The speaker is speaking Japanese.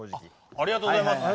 ありがとうございます。